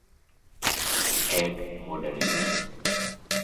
Head moderate.